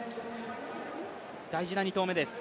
大事な２投目です。